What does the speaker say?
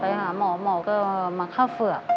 ไปหาหมอหมอก็มาเข้าเฝือก